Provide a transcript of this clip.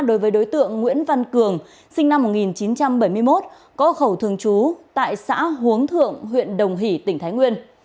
đối với đối tượng nguyễn văn cường sinh năm một nghìn chín trăm bảy mươi một có khẩu thường trú tại xã hướng thượng huyện đồng hỷ tỉnh thái nguyên